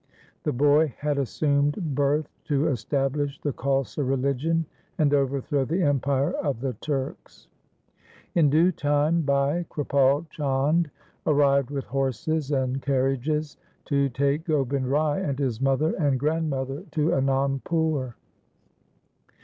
The boy had assumed birth to establish the Khalsa religion, and overthrow the empire of the Turks. In due time Bhai Kripal Chand arrived with horses and carriages to take Gobind Rai and his mother and grandmother to Anandpur.